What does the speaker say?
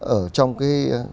ở trong cái